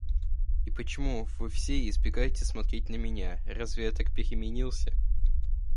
И почему вы все избегаете смотреть на меня, разве я так переменился?